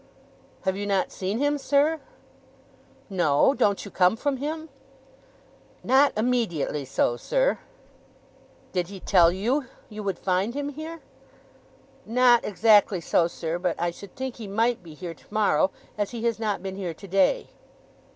'Have you not seen him, sir?' 'No; don't you come from him?' 'Not immediately so, sir.' 'Did he tell you you would find him here?' 'Not exactly so, sir. But I should think he might be here tomorrow, as he has not been here today.